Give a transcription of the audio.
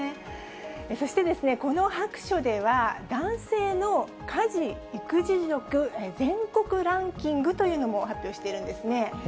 そして、この白書では、男性の家事・育児力全国ランキングというのも発表してるんですね。